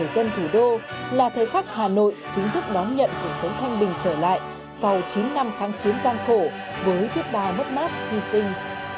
thời gian thủ đô là thời khắc hà nội chính thức đón nhận cuộc sống thanh bình trở lại sau chín năm kháng chiến gian khổ với viết bài mất mát thi sinh